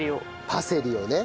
パセリをね。